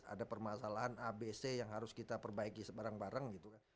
ada permasalahan abc yang harus kita perbaiki sebarang bareng gitu kan